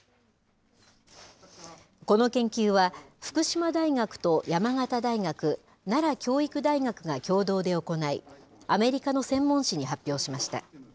この研究は、福島大学と山形大学、奈良教育大学が共同で行い、アメリカの専門誌に発表しました。